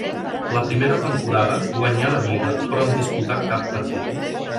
La primera temporada guanyà la lliga però en disputà cap partit.